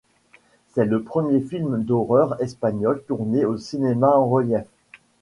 C'est le premier film d'horreur espagnol tourné en cinéma en relief.